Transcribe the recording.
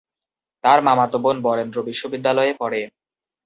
তার মামাতো বোন বরেন্দ্র বিশ্ববিদ্যালয়ে পড়ে।